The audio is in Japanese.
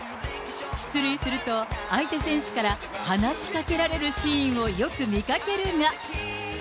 出塁すると、相手選手から話しかけられるシーンをよく見かけるが。